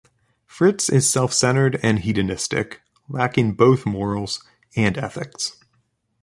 Fritz is self-centered and hedonistic, lacking both morals and ethics.